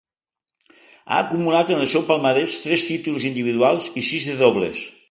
Ha acumulat en el seu palmarès tres títols individuals i sis de dobles.